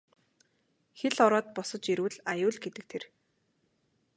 Хэл ороод босож ирвэл аюул гэдэг тэр.